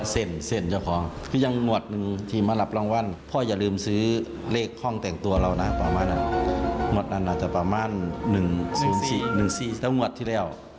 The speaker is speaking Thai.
สัญเจ้าของก็ยังงวดหนึ่งทีมรับรางวัล